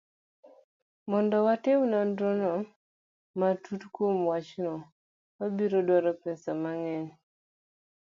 Mondo otim nonro matut kuom wachno, wabiro dwaro pesa mang'eny.